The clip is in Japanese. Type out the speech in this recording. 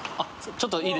ちょっといい。